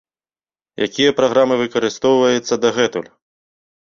Якія праграмы выкарыстоўваецца дагэтуль?